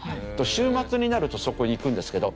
週末になるとそこに行くんですけど。